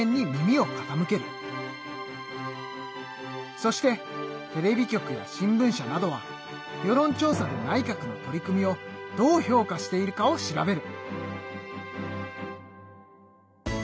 そしてテレビ局や新聞社などは世論調査で内閣の取り組みをどう評価しているかを調べる。